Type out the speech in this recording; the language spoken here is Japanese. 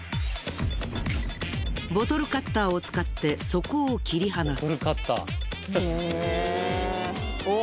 ボトルカッターを使って底を切り離す。